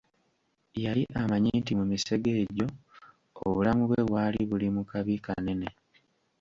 Yali amanyi nti mu misege egyo obulamu bwe bwali buli mu kabi kanene.